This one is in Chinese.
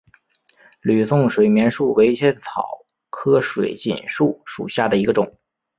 吕宋水锦树为茜草科水锦树属下的一个种。